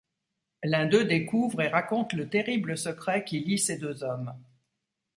L'un d'eux découvre et raconte le terrible secret qui lie ces deux hommes.